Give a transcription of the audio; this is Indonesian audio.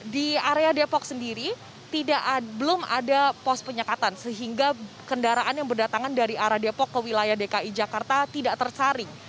di area depok sendiri belum ada pos penyekatan sehingga kendaraan yang berdatangan dari arah depok ke wilayah dki jakarta tidak tersaring